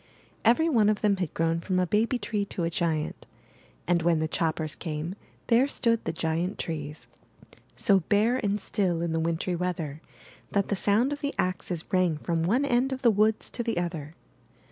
Every one of them had grown from a baby tree to a giant; and, when the choppers came, there stood the giant trees, so bare and still in the wintry weather that the sound of the axes rang from one end of the woods to the other.